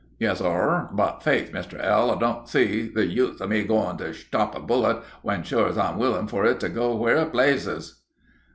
"Yes, sor; but faith, Mr. L., I don't see the use of me going to shtop a bullet when sure an' I'm willin' for it to go where it plazes."